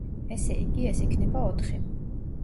ესე იგი, ეს იქნება ოთხი.